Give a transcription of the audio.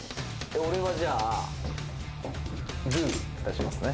俺はじゃあグー出しますね。